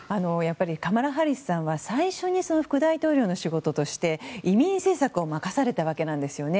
カマラ・ハリスさんは最初に副大統領の仕事として移民政策を任されたわけですね。